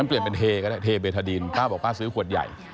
เปลี่ยนเป็นเทก็ได้เทเบธาดินป้าบอกป้าซื้อขวดใหญ่